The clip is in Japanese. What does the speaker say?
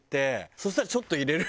そしたらちょっと入れる。